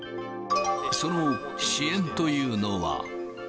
その支援というのは。